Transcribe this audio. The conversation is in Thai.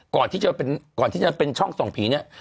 ก่อนที่จะเป็นช่องส่องผีนี้